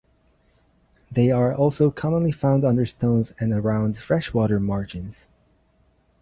They are also commonly found under stones, and around freshwater margins.